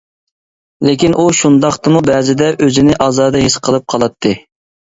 لېكىن ئۇ شۇنداقتىمۇ بەزىدە ئۆزىنى ئازادە ھېس قىلىپ قالاتتى.